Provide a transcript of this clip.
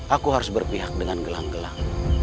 aku harus berpihak dengan gelang gelang